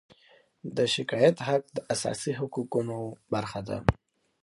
د شکایت حق د اساسي حقونو برخه ده.